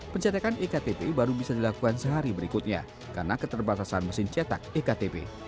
pencetakan iktp baru bisa dilakukan sehari berikutnya karena keterbatasan mesin cetak ektp